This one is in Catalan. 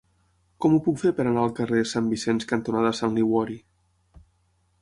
Com ho puc fer per anar al carrer Sant Vicenç cantonada Sant Liguori?